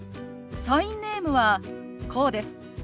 サインネームはこうです。